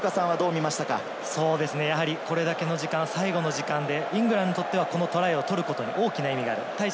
これだけの時間、最後の時間でイングランドにとってはトライを取ることに大きな意味がある。